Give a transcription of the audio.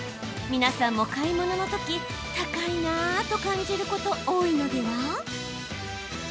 皆さんも買い物のとき高いなと感じること多いのでは？